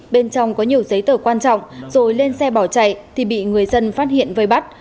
bên trong có nhiều giấy tờ quan trọng rồi lên xe bỏ chạy thì bị người dân phát hiện vây bắt